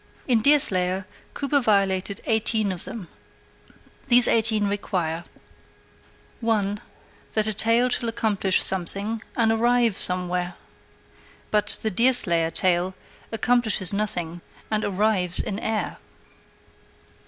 In Deerslayer Cooper violated eighteen of them. These eighteen require: 1. That a tale shall accomplish something and arrive somewhere. But the Deerslayer tale accomplishes nothing and arrives in the air.